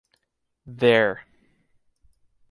There.